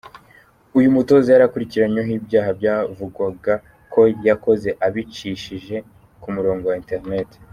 Uyu mutoza yari akurikiranyweho ibyaha byavugwaga ko yakoze abicishije ku murongo wa Interineti.